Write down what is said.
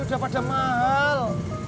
udah pada mahal